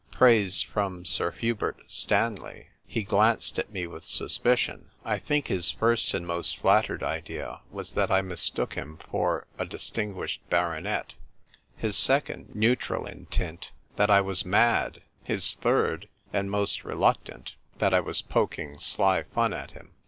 " Praise from Sir Hubert Stanley " He glanced at me with suspicion. I think his first and most flattered idea was that I mistook him for a distinguished baronet ; his second, neutral in tint, that I was mad ; his third, and most reluctant, that I was poking sly fun at him.